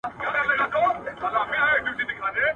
• کارگه وايي، زما سپين ککيه زويه، جيږگى وايي زما پستکيه زويه.